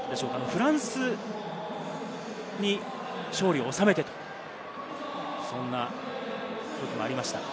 フランスに勝利を収めて、そんなこともありました。